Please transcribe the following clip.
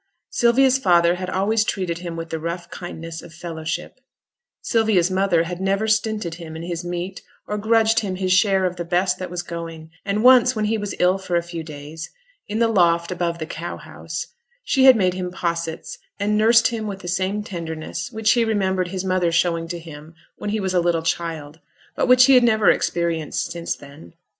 Sylvia's father had always treated him with the rough kindness of fellowship; Sylvia's mother had never stinted him in his meat or grudged him his share of the best that was going; and once, when he was ill for a few days in the loft above the cow house, she had made him possets, and nursed him with the same tenderness which he remembered his mother showing to him when he was a little child, but which he had never experienced since then.